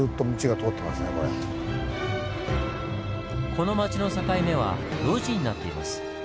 この町の境目は路地になっています。